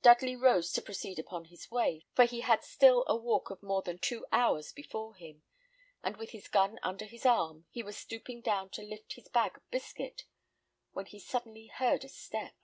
Dudley rose to proceed upon his way, for he had still a walk of more than two hours before him; and with his gun under his arm, he was stooping down to lift his bag of biscuit, when he suddenly heard a step.